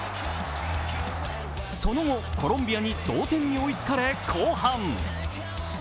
その後、コロンビアに同点に追いつかれ、後半。